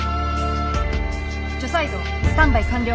除細動スタンバイ完了。